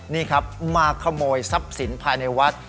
นี่ครับมาขโมยทรัพย์สินภายในวัด